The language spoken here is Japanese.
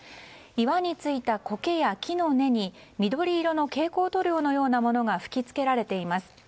岩についた、こけや木の根に緑色の蛍光塗料のようなものが吹き付けられています。